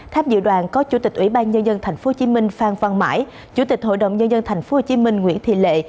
tháp dự đoàn có chủ tịch ủy ban nhân dân tp hcm phan văn mãi chủ tịch hội đồng nhân dân tp hcm nguyễn thị lệ